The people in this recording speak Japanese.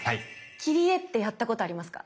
切り絵ってやったことありますか？